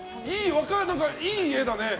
いい絵だね。